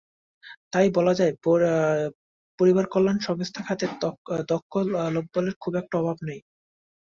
তাই বলা যায়, পরিবারকল্যাণ স্বাস্থ্য খাতে দক্ষ লোকবলের খুব একটা অভাব নেই।